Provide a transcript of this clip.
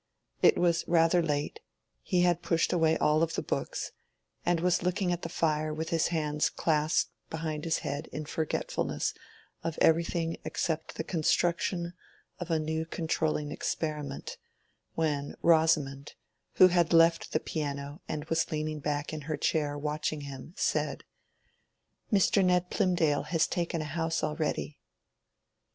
It was rather late; he had pushed away all the books, and was looking at the fire with his hands clasped behind his head in forgetfulness of everything except the construction of a new controlling experiment, when Rosamond, who had left the piano and was leaning back in her chair watching him, said— "Mr. Ned Plymdale has taken a house already."